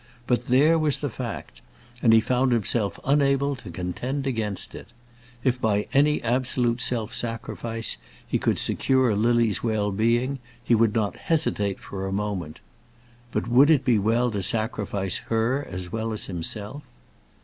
But there was the fact, and he found himself unable to contend against it. If by any absolute self sacrifice he could secure Lily's well being, he would not hesitate for a moment. But would it be well to sacrifice her as well as himself?